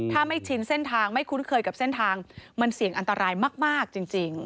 ถ้าไม่ชินเส้นทางไม่คุ้นเคยกับเส้นทางมันเสี่ยงอันตรายมากจริง